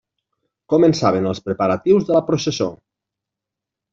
Començaven els preparatius de la processó.